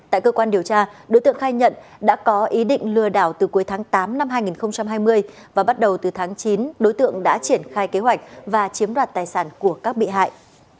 tại cơ quan điều tra đối tượng khai nhận đã có ý định lừa đảo từ cuối tháng tám năm hai nghìn hai mươi và bắt đầu từ tháng chín đối tượng đã triển khai kế hoạch và chiếm đoạt tài sản của các bị hại